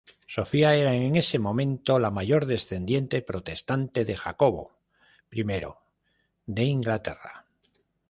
Sofía era en ese momento la mayor descendiente protestante de Jacobo I de Inglaterra.